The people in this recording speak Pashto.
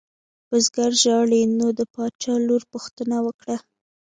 بزګر ژاړي نو د باچا لور پوښتنه وکړه.